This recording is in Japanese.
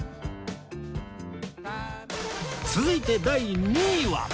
続いて第２位は